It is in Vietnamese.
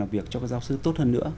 làm việc cho các giáo sư tốt hơn nữa